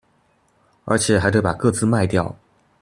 而且還得把個資賣掉